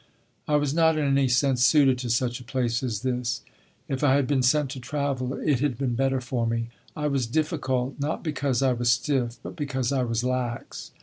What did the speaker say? I was not in any sense suited to such a place as this; if I had been sent to travel it had been better for me. I was "difficult," not because I was stiff but because I was lax.